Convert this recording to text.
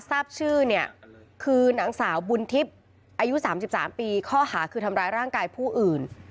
ทราบชื่อเนี่ยคือนางสาวบุญทิพย์อายุ๓๓ปีข้อหาคือทำร้ายร่างกายผู้อื่น